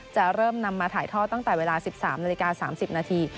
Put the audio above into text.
จะเริ่มนำมาถ่ายทอดตั้งแต่เวลา๑๓นาฬิกา๓๐นาที